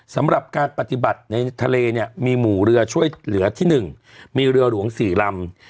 สำหรับการปฏิบัติในทะเลเนี่ยมีหมู่เรือช่วยเหลือที่๑มีเรือหลวง๔ลำ